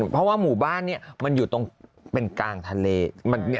เพราะว่าหมู่บ้านนี้มันอยู่ตรงเป็นกลางทะเล